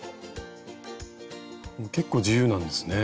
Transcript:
結構自由なんですね。